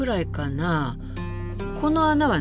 この穴は何？